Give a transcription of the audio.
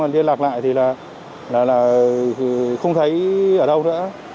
đặt lại thì là không thấy ở đâu nữa